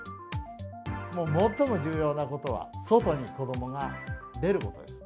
最も重要なことは、外に子どもが出ることです。